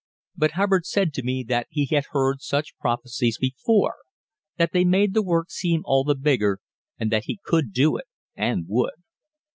But Hubbard said to me that he had heard such prophecies before; that they made the work seem all the bigger, and that he could do it and would.